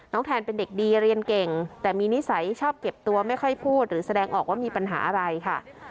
แทนเป็นเด็กดีเรียนเก่งแต่มีนิสัยชอบเก็บตัวไม่ค่อยพูดหรือแสดงออกว่ามีปัญหาอะไรค่ะ